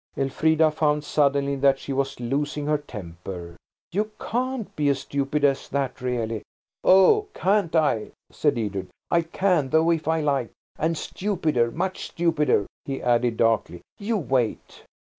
Elfrida found suddenly that she was losing her temper. "You can't be as stupid as that, really." "Oh, can't I?" said Edred. "I can though, if I like. And stupider–much stupider," he added darkly. "You wait."